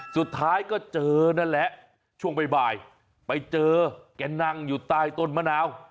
สุดท้ายก็เจอนั่นแหละช่วงบ่ายไปเจอแกนั่งอยู่ใต้ต้นมะนาว